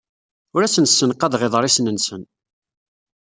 Ur asen-ssenqaḍeɣ iḍrisen-nsen.